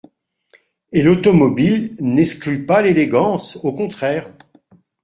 Et l’automobile n’exclut pas l’élégance, au contraire !